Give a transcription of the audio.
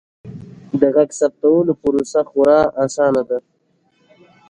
د غږ ثبتولو پروسه خورا اسانه ده.